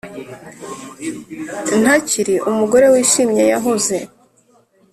] ntakiri umugore wishimye yahoze.